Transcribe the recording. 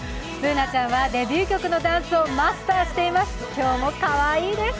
Ｂｏｏｎａちゃんはデビュー曲のダンスをマスターしています。